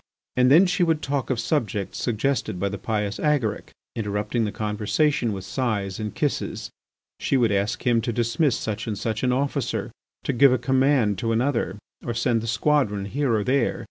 And then she would talk of subjects suggested by the pious Agaric, interrupting the conversation with sighs and kisses. She would ask him to dismiss such and such an officer, to give a command to another, to send the squadron here or there.